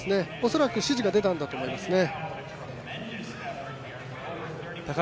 恐らく指示が出たんだと思いますね。